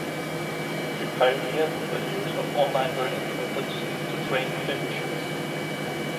She pioneered the use of online learning methods to train clinicians.